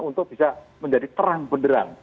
untuk bisa menjadi terang benderang